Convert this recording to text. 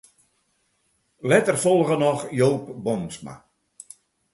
Letter folge noch Joop Boomsma.